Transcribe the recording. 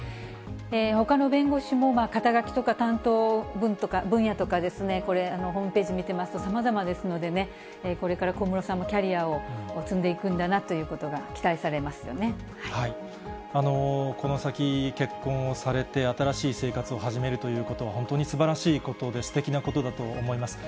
ほかの弁護士も、肩書とか担当分野とか、これ、ホームページ見てますと、さまざまですのでね、これから小室さんもキャリアを積んでいくんだなとこの先、結婚をされて、新しい生活を始めるということは、本当にすばらしいことで、すてきなことだと思います。